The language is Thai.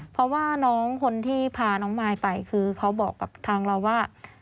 เพราะว่าน้องคนที่พาน้องมายไปคือเขาบอกกับทางเราว่า